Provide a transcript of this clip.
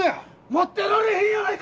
待ってられへんやないか！